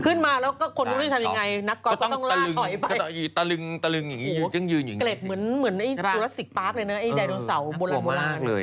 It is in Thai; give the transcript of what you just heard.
ขึ้นมาแล้วก็คนรู้ว่าจะทำยังไง